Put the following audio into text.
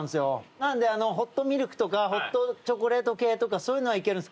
なんでホットミルクとかホットチョコレート系とかそういうのはいけるんです。